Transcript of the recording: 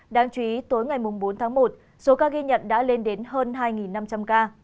đáng chú ý tối ngày bốn tháng một số ca ghi nhận đã lên đến hơn hai năm trăm linh ca